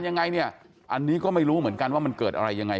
ยังไงเนี่ยอันนี้ก็ไม่รู้เหมือนกันว่ามันเกิดอะไรยังไง